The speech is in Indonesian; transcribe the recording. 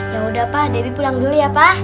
yaudah pak debbie pulang dulu ya pak